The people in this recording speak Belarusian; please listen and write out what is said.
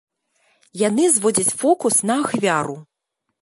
Яны зводзяць фокус на ахвяру.